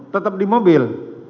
tetap di mobil